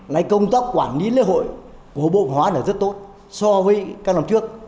lại công tác quản lý lễ hội của bộ văn hóa là rất tốt so với các năm trước